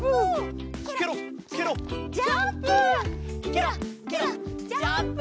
ケロッケロッジャンプ！